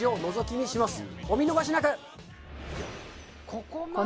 お見逃しなく！